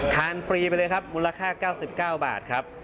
ฟรีไปเลยครับมูลค่า๙๙บาทครับ